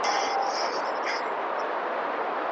عذرا تقوا هم مرسته کوي.